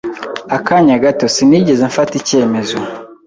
Akanya gato. Sinigeze mfata icyemezo.